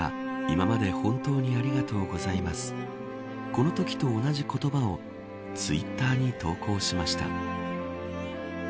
このときと同じ言葉をツイッターに投稿しました。